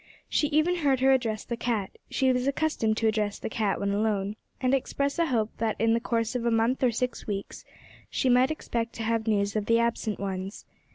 She even heard her address the cat (she was accustomed to address the cat when alone), and express a hope that in the course of a month or six weeks more she might expect to have news of the absent ones.